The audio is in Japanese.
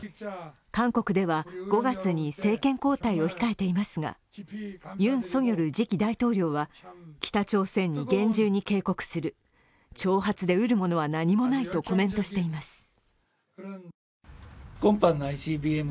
韓国では、５月に政権交代を控えていますが、ユン・ソギョル次期大統領は北朝鮮に厳重に警告する、挑発で得るものは何もないとコメントしています。